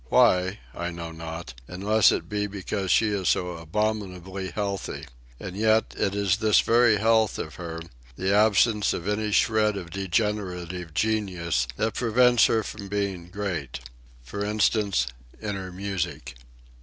Why, I know not, unless it be because she is so abominably healthy. And yet, it is this very health of her, the absence of any shred of degenerative genius, that prevents her from being great ... for instance, in her music.